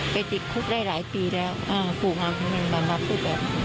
ไปติดคุกได้หลายปีแล้วฝูงอาวุธนึงบางประวัติศาสตร์